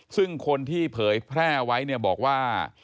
ซึ่งคนที่เผยแพร่ไว้เนี่ยบอกว่า